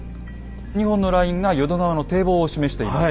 ２本のラインが淀川の堤防を示しています。